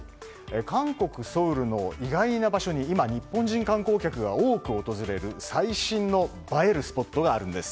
韓国ソウルの意外な場所に今、日本人観光客が多く訪れる、最新の映えるスポットがあるんです。